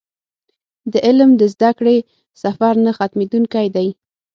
د علم د زده کړې سفر نه ختمېدونکی دی.